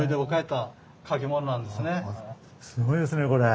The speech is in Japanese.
すごいですねこれ。